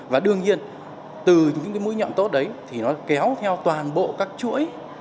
và đương nhiên từ những cái mũi nhọn tốt đấy thì nó kéo theo toàn bộ các chuỗi